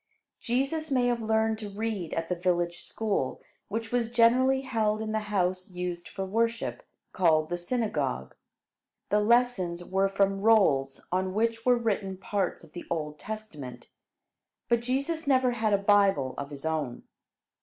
Jesus may have learned to read at the village school, which was generally held in the house used for worship, called the "synagogue." The lessons were from rolls on which were written parts of the Old Testament; but Jesus never had a Bible of his own.